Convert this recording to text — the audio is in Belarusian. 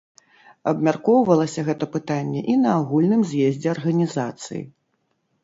Абмяркоўвалася гэта пытанне і на агульным з'ездзе арганізацыі.